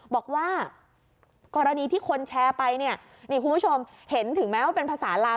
บอกว่ากรณีที่คนแชร์ไปเนี่ยนี่คุณผู้ชมเห็นถึงแม้ว่าเป็นภาษาลาว